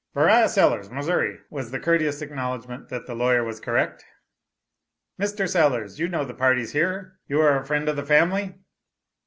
"Beriah Sellers, Missouri," was the courteous acknowledgment that the lawyer was correct. "Mr. Sellers; you know the parties here, you are a friend of the family?"